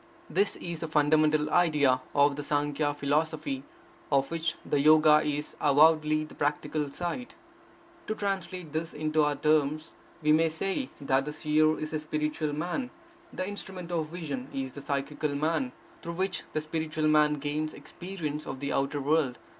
This is the fundamental idea of the Sankhya philosophy, of which the Yoga is avowedly the practical side. To translate this into our terms, we may say that the Seer is the spiritual man; the instrument of vision is the psychical man, through which the spiritual man gains experience of the outer world.